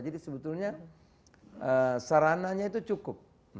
jadi sebetulnya sarananya itu cukup